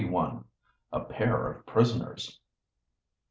A PAIR OF PRISONERS.